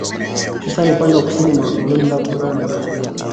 Hususan upande wa kusini wa koloni lao kutoka kwa makabila